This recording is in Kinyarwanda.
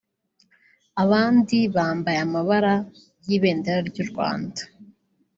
abandi bambaye amabara y’ibendera ry’u Rwanda